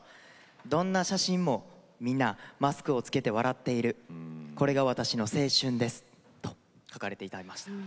どんな写真もみんなマスクを着けて笑っているこれが私の青春ですと書かれていました。